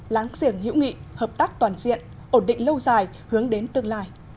láng giềng hữu nghị hợp tác toàn diện ổn định lâu dài hướng đến tương lai